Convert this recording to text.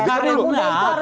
karena muda harus berproses